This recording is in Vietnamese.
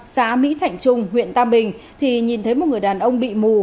xã mỹ thạnh trung huyện tam bình thì nhìn thấy một người đàn ông bị mù